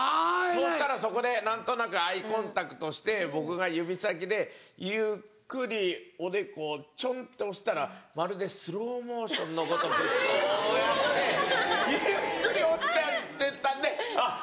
そしたらそこで何となくアイコンタクトして僕が指先でゆっくりおでこをチョンって押したらまるでスローモーションのごとくこうやってゆっくり落ちてったんであっ